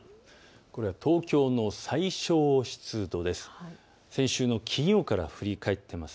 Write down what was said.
これは東京の最小湿度です。